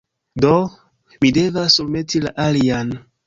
Do, mi devas surmeti la alian